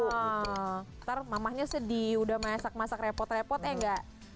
wow ntar mamahnya sedih udah masak masak repot repot eh nggak